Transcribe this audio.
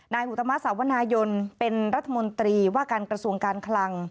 อุตมะสาวนายนเป็นรัฐมนตรีว่าการกระทรวงการคลัง